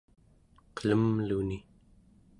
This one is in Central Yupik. qelemluni